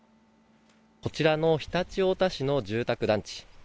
こちらの常陸太田市の住宅団地